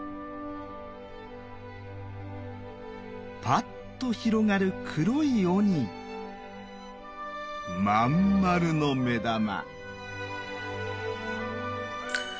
パッと広がる黒い尾に真ん丸の目玉。